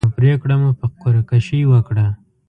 نو پرېکړه مو په قره کشۍ وکړه.